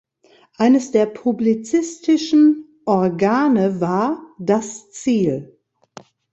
Eines der publizistischen Organe war "Das Ziel.